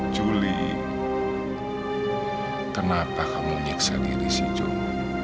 juli kenapa kamu nyiksa diri sih jok